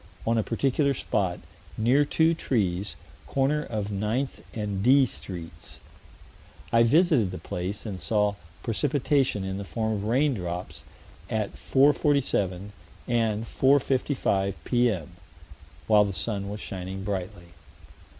on a particular spot, near two trees, corner of 9th and D streets, I visited the place, and saw precipitation in the form of rain drops at 4:47 and 4:55 P.M., while the sun was shining brightly.